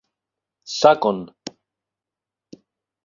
Sakon!